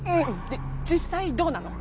実際どうなの？